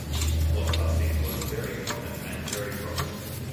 Blockbusting was very common and very profitable.